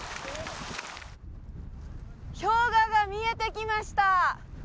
氷河が見えてきました